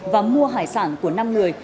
và mua hải sản của năm người